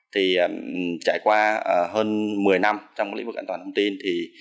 trải qua hơn một mươi năm trong lĩnh vực an toàn hệ thống tin